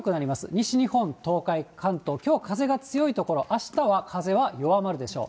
西日本、東海、関東、きょう、風が強い所、あしたは風は弱まるでしょう。